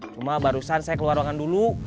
cuma barusan saya keluar ruangan dulu